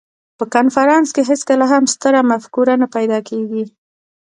په کنفرانس کې هېڅکله هم ستره مفکوره نه پیدا کېږي.